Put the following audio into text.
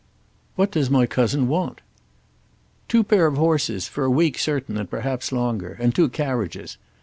"What does my cousin want?" "Two pair of horses, for a week certain, and perhaps longer, and two carriages.